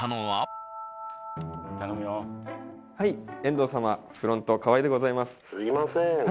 はい。